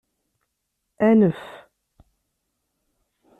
Anef!